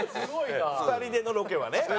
２人でのロケはね。